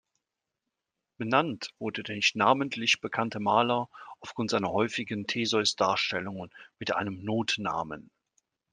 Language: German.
Benannt wurde der nicht namentlich bekannte Maler aufgrund seiner häufigen Theseus-Darstellungen mit einem Notnamen.